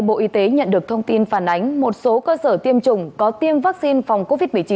bộ y tế nhận được thông tin phản ánh một số cơ sở tiêm chủng có tiêm vaccine phòng covid một mươi chín